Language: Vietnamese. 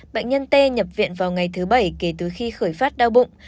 bệnh nhân t nhập viện vào ngày thứ bảy kể từ khi khởi phát đau bụng